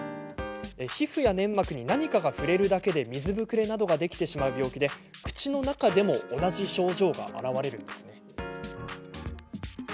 皮膚や粘膜に何かが触れるだけで水ぶくれなどができてしまう病気で口の中でも同じ症状が現れます。